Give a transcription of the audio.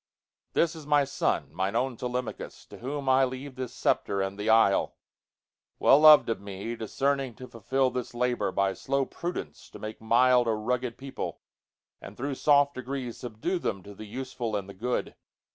This is my son, mine own Telemachus, To whom I leave the sceptre and the isle—Well lov'd of me, discerning to fulfilThis labor, by slow prudence to make mildA rugged people, and thro' soft degreesSubdue them to the useful and the good.